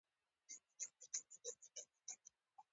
بوټونه د انځورونو برخه جوړوي.